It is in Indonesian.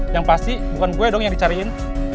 yang pasti bukan gue dong yang dicariin